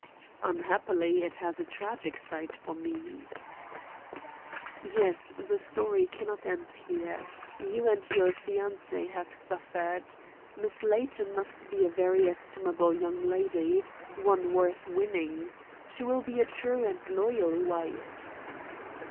"Unhappily, it has a tragic side for me." "Yes; the story cannot end here. You and your fiancée have suffered. Miss Layton must be a very estimable young lady one worth winning. She will be a true and loyal wife."